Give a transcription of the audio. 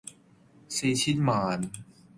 四千萬